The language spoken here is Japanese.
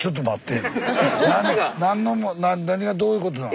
何がどういうことなの？